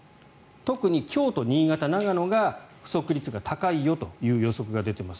特に京都、新潟、長野が不足率が高いよという予測が出ています。